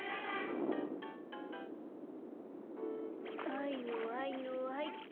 はいのはいのはいっと。